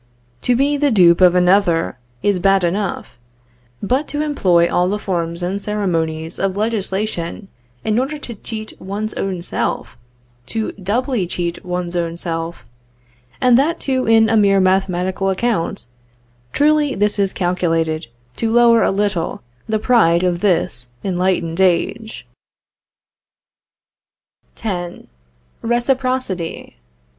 To be the dupe of another, is bad enough; but to employ all the forms and ceremonies of legislation in order to cheat one's self, to doubly cheat one's self, and that too in a mere mathematical account, truly this is calculated to lower a little the pride of this enlightened age. X. RECIPROCITY.